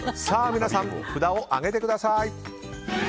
皆さん、札を上げてください。